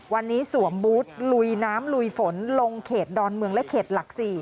วันนี้สวมบูธลุยน้ำลุยฝนลงเขตดอนเมืองและเขตหลัก๔